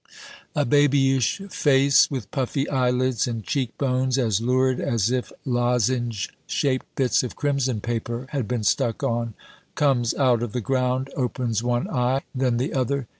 A babyish face with puffy eyelids, and cheek bones as lurid as if lozenge shaped bits of crimson paper had been stuck on, comes out of the ground, opens one eye, then the other.